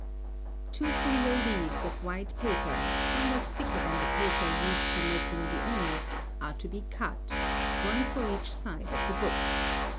Two single leaves of white paper, somewhat thicker than the paper used for making the ends, are to be cut, one for each side of the book.